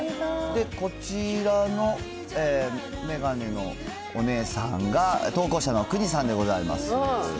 こちらの眼鏡のお姉さんが、投稿者のくにさんでございます。